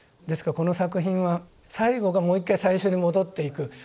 ですからこの作品は最後がもう一回最初に戻っていく。